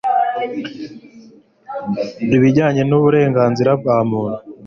ibijyanye n' uburenganzira bwa muntu